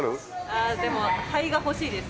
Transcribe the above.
ああでも灰が欲しいです。